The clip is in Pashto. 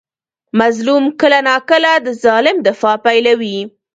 مظلوم کله ناکله د ظالم دفاع پیلوي.